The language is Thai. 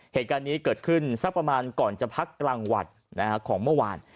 เหตุการณ์นี้เกิดขึ้นสักประมาณก่อนจะพักกลางวันของเมื่อวาน